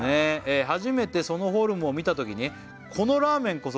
「初めてそのフォルムを見たときにこのラーメンこそ」